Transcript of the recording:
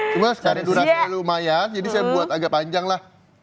cuma sekarang durasi lumayan jadi saya buat agak panjang lah